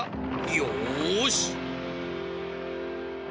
よし！